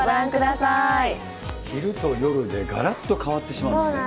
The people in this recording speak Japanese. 昼と夜でがらっと変わってしそうなんです。